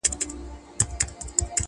دنیا د غم په ورځ پیدا ده٫